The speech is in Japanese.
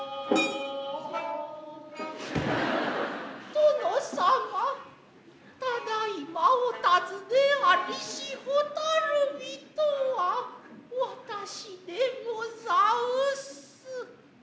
殿様ただいまおたづねありし蛍火とは私でござんす。